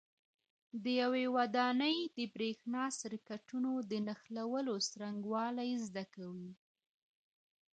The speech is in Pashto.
د یوې ودانۍ د برېښنا سرکټونو د نښلولو څرنګوالي زده کوئ.